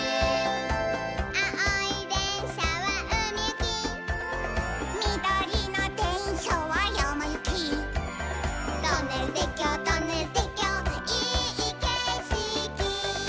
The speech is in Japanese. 「あおいでんしゃはうみゆき」「みどりのでんしゃはやまゆき」「トンネルてっきょうトンネルてっきょういいけしき」